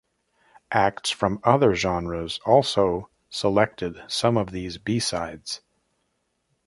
Acts from other genres also selected some of these B-sides.